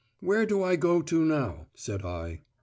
"Where do I go to now?" said I.